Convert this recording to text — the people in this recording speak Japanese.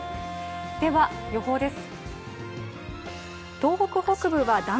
では、予報です。